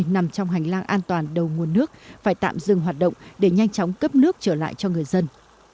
nằm trong hành lang an toàn đầu nguồn nước phải tạm dừng hoạt động để nhanh chóng cấp nước trở lại cho người dân